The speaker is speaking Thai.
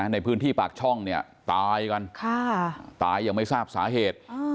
ในพื้นที่ปากช่องเนี่ยตายกันตายยังไม่ทราบสาเหตุ